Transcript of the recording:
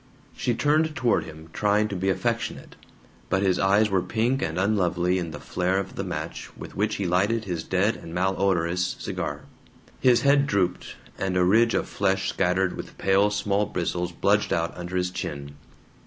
She turned toward him, trying to be affectionate. But his eyes were pink and unlovely in the flare of the match with which he lighted his dead and malodorous cigar. His head drooped, and a ridge of flesh scattered with pale small bristles bulged out under his chin.